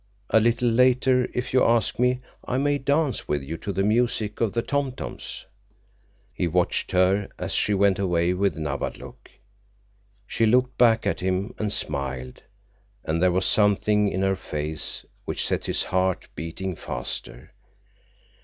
"A little later, if you ask me, I may dance with you to the music of the tom toms." He watched her as she went away with Nawadlook. She looked back at him and smiled, and there was something in her face which set his heart beating faster.